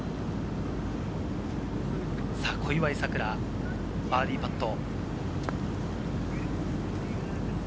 小祝さくら、バーディーパット。